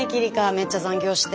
めっちゃ残業して。